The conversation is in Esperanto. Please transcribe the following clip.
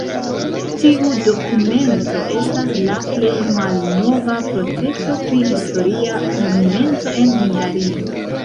Tiu dokumento estas la plej malnova protekto pri historia monumento en Hungario.